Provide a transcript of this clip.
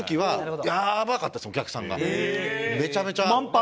めちゃめちゃ。